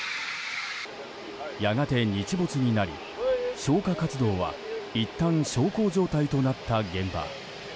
やがて日没になり消火活動はいったん小康状態になった現場。